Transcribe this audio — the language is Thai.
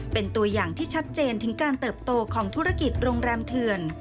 เป็นตัวอย่างที่ชัดเจนถึงการเติบโตของธุรกิจโรงแรมเถื่อน